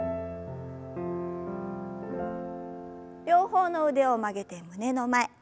両方の腕を曲げて胸の前。